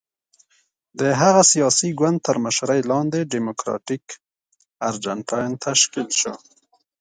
د هغه سیاسي ګوند تر مشرۍ لاندې ډیموکراتیک ارجنټاین تشکیل شو.